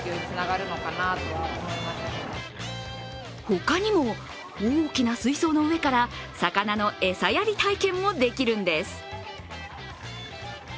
ほかにも、大きな水槽の上から魚の餌やり体験もできるんです。